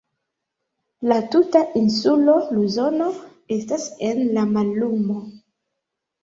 La tuta insulo Luzono estas en la mallumo.